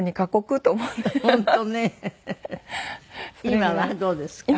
今はどうですか？